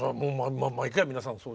毎回皆さんそうですよ。